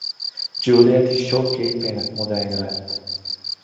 Juliet is sok képének modellje lett.